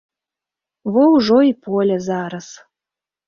Во ўжо й поле зараз.